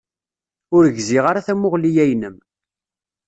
Ur gziɣ ara tamuɣli-ya-inem.